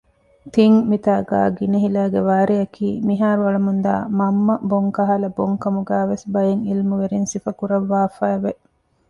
ތިން މިތާގައި ގިނިހިލައިގެ ވާރެއަކީ މިހާރު އަޅަމުންދާ މަންމަ ބޮންކަހަލަ ބޮންކަމުގައި ވެސް ބައެއް ޢިލްމުވެރިން ސިފަކުރަށްވާފައި ވެ